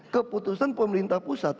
keputusan pemerintah pusat